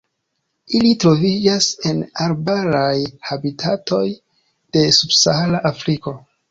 Ili troviĝas en arbaraj habitatoj de subsahara Afriko.